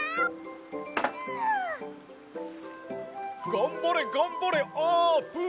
がんばれがんばれあーぷん！